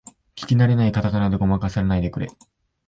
聞きなれないカタカナでごまかさないでくれ